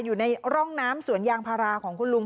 อยู่ในร่องน้ำสวนยางพาราของคุณลุง